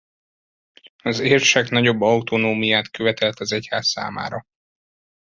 Az érsek nagyobb autonómiát követelt az egyház számára.